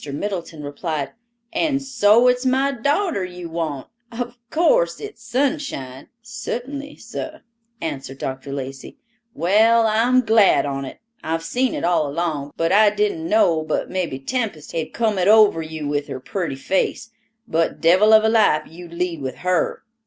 Middleton replied, "And so it's my darter you want. Of course it's Sunshine?" "Certainly, sir," answered Dr. Lacey. "Well, I'm glad on't. I've seen it all along; but I didn't know but mebby Tempest had come it over you with her pretty face—but devil of a life you'd lead with her."